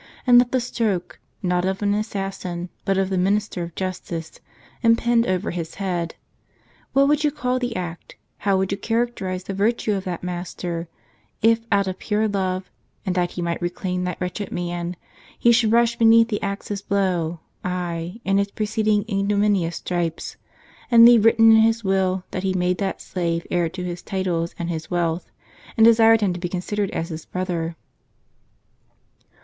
And let the stroke, not of an assassin, but of the minister of justice, impend over his head. What would you call the act, how would you characterize the virtue, of that master, if out of pure love, and that he might reclaim that wretched man, he should rush beneath the axe's blow, ay, and its preceding ignominious stripes, and leave written in his will, that he made that slave heir to his titles and his wealth, and desired him to be con sidered as his brother?"